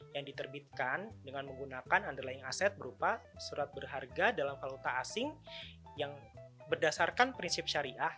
yang diterbitkan dengan menggunakan underlying aset berupa surat berharga dalam valuta asing yang berdasarkan prinsip syariah